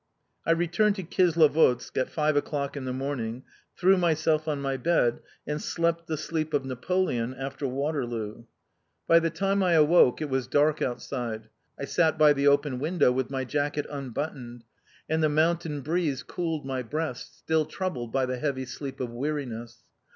I returned to Kislovodsk at five o'clock in the morning, threw myself on my bed, and slept the sleep of Napoleon after Waterloo. By the time I awoke it was dark outside. I sat by the open window, with my jacket unbuttoned and the mountain breeze cooled my breast, still troubled by the heavy sleep of weariness.